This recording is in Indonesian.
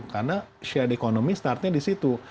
karena shared economy mulai dari situ